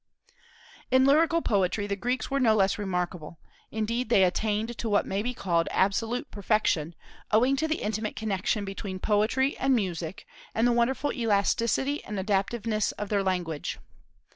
In lyrical poetry the Greeks were no less remarkable; indeed they attained to what may be called absolute perfection, owing to the intimate connection between poetry and music, and the wonderful elasticity and adaptiveness of their language.